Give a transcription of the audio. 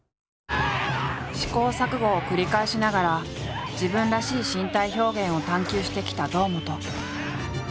試行錯誤を繰り返しながら自分らしい身体表現を探求してきた堂本。